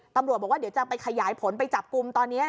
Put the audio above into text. ตำรวจบอกว่าเดี๋ยวจะไปขยายผลไปจับกลุ่มตอนนี้